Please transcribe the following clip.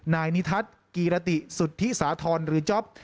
นายนิทัศน์กีรติสุทธิสาธรณ์หรือจ๊อป